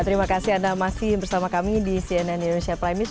terima kasih anda masih bersama kami di cnn indonesia prime news